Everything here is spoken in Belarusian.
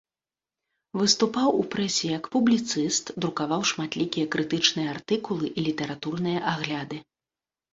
Выступаў у прэсе як публіцыст, друкаваў шматлікія крытычныя артыкулы і літаратурныя агляды.